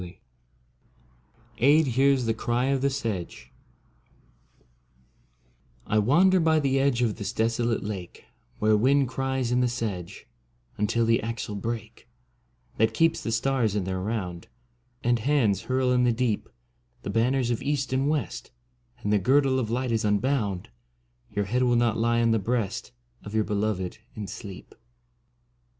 42 AEDH HEARS THE CRY OF THE SEDGE I WANDER by the edge Of this desolate lake Where wind cries in the sedge Until the axle break That keeps the stars in their round And hands hurl in the deep The banners of East and West And the girdle of light is unbound. Your head will not lie on the breast Of your beloved in sleep.